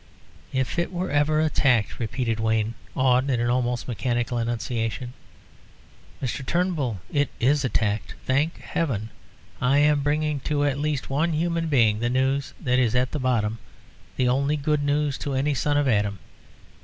"If it were ever attacked," repeated Wayne, awed into an almost mechanical enunciation. "Mr. Turnbull, it is attacked. Thank Heaven, I am bringing to at least one human being the news that is at bottom the only good news to any son of Adam.